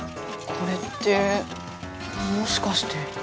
これってもしかして。